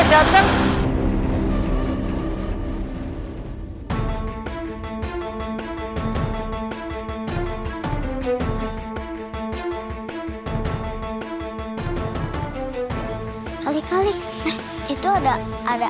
vampirnya vampirnya jatuh